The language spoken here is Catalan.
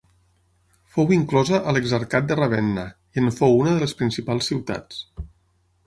Fou inclosa a l'Exarcat de Ravenna, i en fou una de les principals ciutats.